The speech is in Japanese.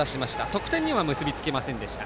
得点には結びつきませんでした。